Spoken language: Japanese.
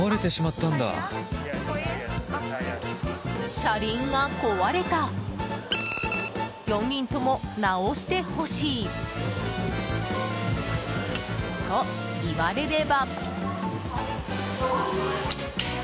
車輪が壊れた、４輪とも直してほしいと言われれば。